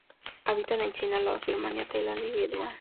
Habita en China, Laos, Birmania, Tailandia y Vietnam.